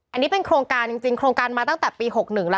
อันนี้เป็นโครงการจริงโครงการมาตั้งแต่ปี๖๑แล้ว